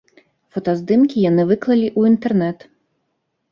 Фотаздымкі яны выклалі ў інтэрнэт.